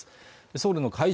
ソウルの会場